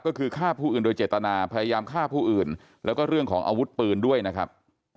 ก็คือฆ่าผู้อื่นโดยเจตนาพยายามฆ่าผู้อื่นแล้วก็เรื่องของอาวุธปืนด้วยนะครับ